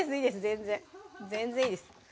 全然全然いいです